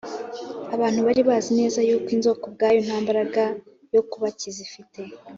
. Abantu bari bazi neza yuko inzoka ubwayo nta mbaraga yo kubakiza ifite.